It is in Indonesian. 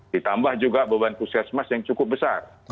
ditambah juga beban puskesmas yang cukup besar